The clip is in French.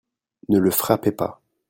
Ne le frappez pas.